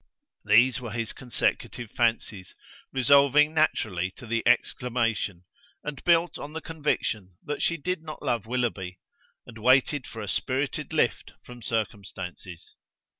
These were his consecutive fancies, resolving naturally to the exclamation, and built on the conviction that she did not love Willoughby, and waited for a spirited lift from circumstances.